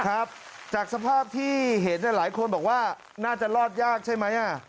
ครับจากสภาพที่เห็นหลายคนบอกว่าน่าจะรอดยากใช่ไหม